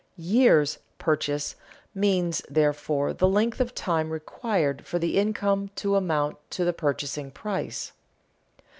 "Years' purchase" means, therefore, the length of time required for the income to amount to the purchasing price.